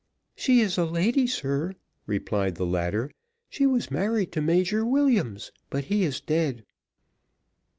"She is a lady, sir," replied the latter; "she was married to Major Williams, but he is dead."